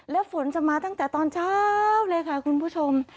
แล้วฝนจะมาตั้งแต่ตอนเช้าเลยค่ะคุณผู้ชม